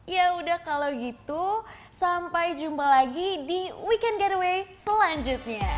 ya udah kalau gitu sampai jumpa lagi di weekend gateway selanjutnya